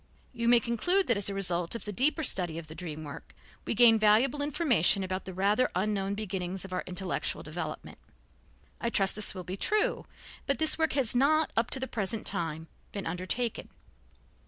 You may conclude that as a result of the deeper study of the dream work we gain valuable information about the rather unknown beginnings of our intellectual development. I trust this will be true, but this work has not, up to the present time, been undertaken.